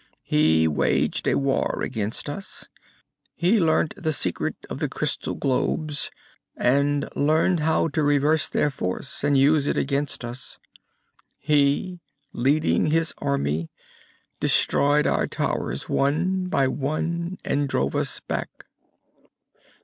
"He waged a war against us. He learned the secret of the crystal globes, and learned how to reverse their force and use it against us. He, leading his army, destroyed our towers one by one, and drove us back....